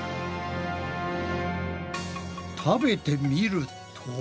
食べてみると。